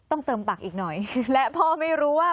เติมปากอีกหน่อยและพ่อไม่รู้ว่า